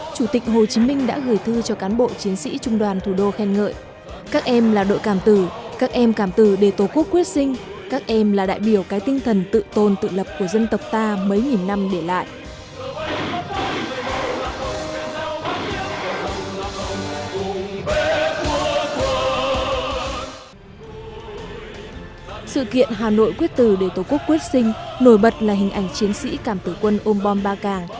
sự kiện hà nội quyết tử để tổ quốc quyết sinh nổi bật là hình ảnh chiến sĩ cảm tử quân ôm bom ba càng